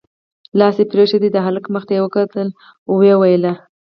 لاس يې پرېښود، د هلک مخ ته يې وکتل، ورو يې وويل: